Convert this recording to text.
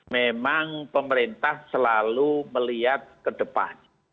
memang pemerintah selalu melihat ke depan